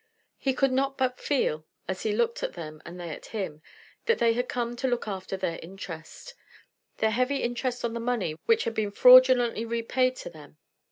He could not but feel, as he looked at them and they at him, that they had come to look after their interest, their heavy interest on the money which had been fraudulently repaid to them.